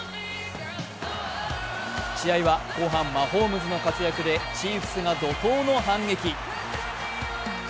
試合は後半、マホームズの活躍でチーフスが怒とうの反撃。